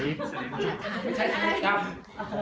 ไม่ใช่สลิปกรัม